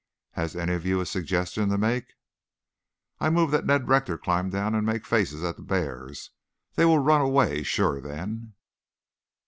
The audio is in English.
"Has any of you a suggestion to make?" "I move that Ned Rector climb down and make faces at the bears. They will run away sure then."